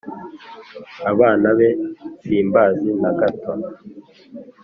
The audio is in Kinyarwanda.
Abana be simbazi nagato